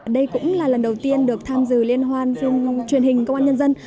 đây cũng là lần đầu tiên được tham dự liên hoan phim truyền hình công an nhân dân